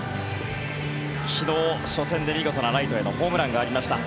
昨日、初戦で見事なライトへのホームランがありました。